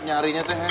nyarinya teh hesek